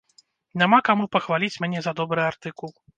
Няма каму пахваліць мяне за добры артыкул.